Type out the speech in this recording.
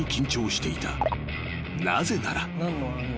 ［なぜなら］